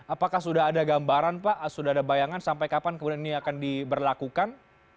apakah sudah ada gambaran pak sudah ada bayangan sampai kapan kemudian ini akan diberlakukan